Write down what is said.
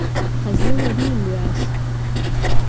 Ҳазнылари мҩас?